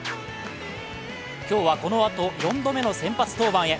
今日はこのあと４度目の先発登板へ。